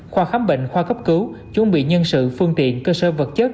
khoa khám bệnh khoa cấp cứu chuẩn bị nhân sự phương tiện cơ sở vật chất